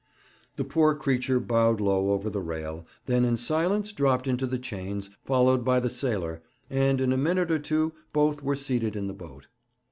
The poor creature bowed low over the rail, then in silence dropped into the chains, followed by the sailor, and in a minute or two both were seated in the boat.